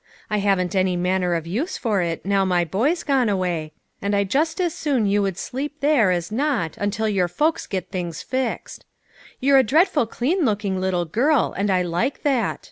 I haven't any manner of use for it, now my boy's gone away, and I just as soon you would sleep there as not until your folks get things fixed. You're a dreadful clean looking little girl, and I like that.